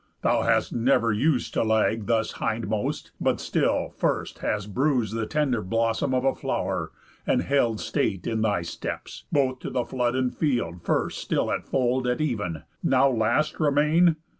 Thou hast never us'd To lag thus hindmost, but still first hast bruis'd The tender blossom of a flow'r, and held State in thy steps, both to the flood and field, First still at fold at even, now last remain?